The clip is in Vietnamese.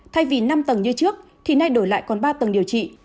thay vì năm tầng như trước thì nay đổi lại còn ba tầng điều trị